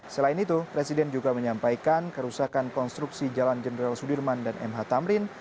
selain itu presiden juga menyampaikan kerusakan konstruksi jalan jenderal sudirman dan mh tamrin